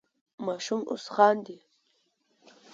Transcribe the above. ماشوم اوس خاندي.